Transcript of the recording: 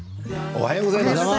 おはようございます。